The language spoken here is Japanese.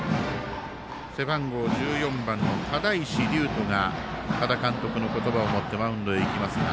背番号１４番の只石琉人が多田監督の言葉を持ってマウンドに行きますが。